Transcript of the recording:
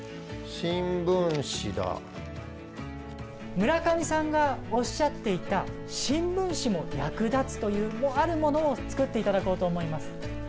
村上さんがおっしゃっていた新聞紙も役立つというあるものを作って頂こうと思います。